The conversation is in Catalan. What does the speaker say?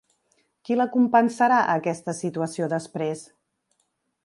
Qui la compensarà, aquesta situació, després?